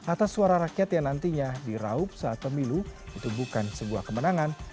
atas suara rakyat yang nantinya diraup saat pemilu itu bukan sebuah kemenangan